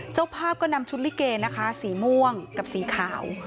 เจ้าภาพก็นำชุดลิเกนะคะสีม่วงกับสีขาว